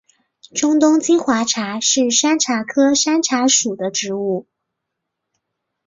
中东金花茶是山茶科山茶属的植物。